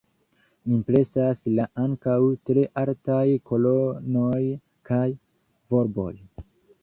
Impresas la ankaŭ tre altaj kolonoj kaj volboj.